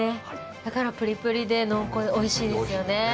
だからプリプリで濃厚でおいしいですよね。